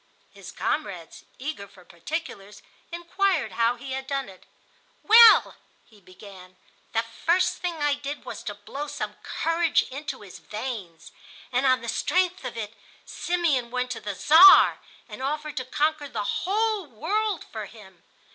His comrades, eager for particulars, inquired how he had done it. "Well," he began, "the first thing I did was to blow some courage into his veins, and, on the strength of it, Simeon went to the Czar and offered to conquer the whole world for him.